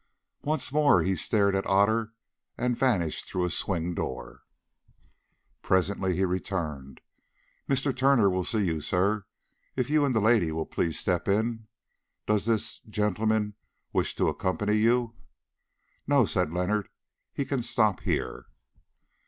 Once more he stared at Otter and vanished through a swing door. Presently he returned. "Mr. Turner will see you, sir, if you and the lady will please to step in. Does this—gentleman—wish to accompany you?" "No," said Leonard, "he can stop here."